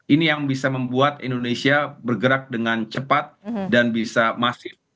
ini yang bisa membuat indonesia bergerak dengan cepat dan bisa masif